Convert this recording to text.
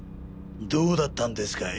どうだったんですかい？